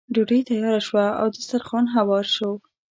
ډوډۍ تیاره شوه او دسترخوان هوار شو.